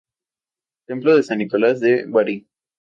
Templo de San Nicolás de Bari.